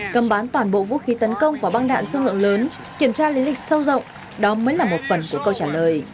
cấm bán toàn bộ vũ khí tấn công và băng đạn dung lượng lớn kiểm tra linh lịch sâu rộng đó mới là một phần của câu trả lời